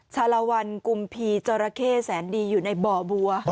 ชะละวันกุมภีร์จรเครศแสนดีอยู่ในบ่บัว